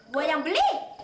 gue yang beli